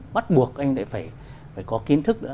bắt buộc anh phải có kiến thức